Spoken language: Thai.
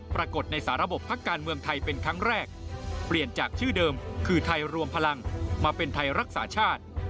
ปรากฏในสารบพักการเมืองไทยเป็นครั้งแรกเปลี่ยนจากชื่อเดิมคือไทยรวมพลังมาเป็นไทยรักษาชาติ